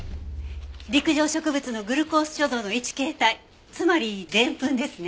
陸上植物のグルコース貯蔵の一形態つまりデンプンですね。